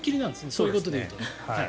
そういうことでいうと。